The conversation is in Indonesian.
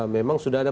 memang sudah ada